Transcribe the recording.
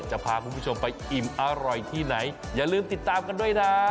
จะพาคุณผู้ชมไปอิ่มอร่อยที่ไหนอย่าลืมติดตามกันด้วยนะ